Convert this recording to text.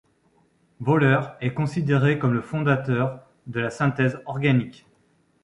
Wöhler est considéré comme le fondateur de la synthèse organique.